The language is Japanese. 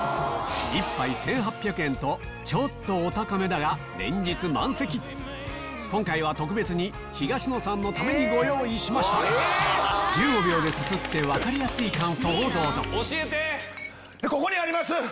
ちょっとお高めだが今回は特別に東野さんのためにご用意しました１５秒ですすって分かりやすい感想をどうぞここにあります！